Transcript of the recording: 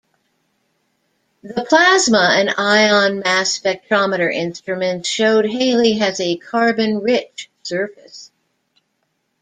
The plasma and ion mass spectrometer instruments showed Halley has a carbon-rich surface.